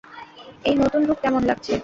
এই নতুন রূপ কেমন লাগছে?